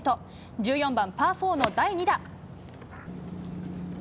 １４番パー４の第２打。